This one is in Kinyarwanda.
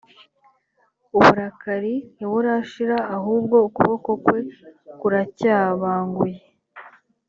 uburakari ntiburashira ahubwo ukuboko kwe kuracyabanguye